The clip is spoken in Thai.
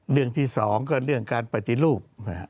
เรื่องที่๒ก็เรื่องการปฏิรูป